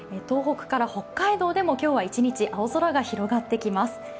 東北から北海道でも今日は一日、青空が広がってきます